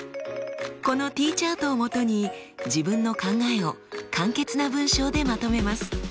このＴチャートを基に自分の考えを簡潔な文章でまとめます。